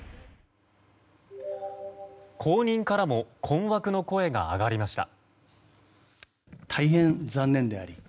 後任からも困惑の声が上がりました。